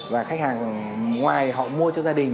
và khách hàng ngoài họ mua cho gia đình